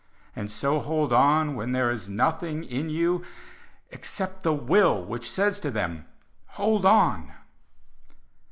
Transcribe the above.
And so hold on when there is nothing in you Except the Will which says to them: 'Hold on!'